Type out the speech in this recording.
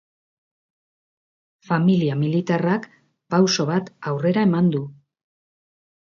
Familia militarrak pauso bat aurrera eman du.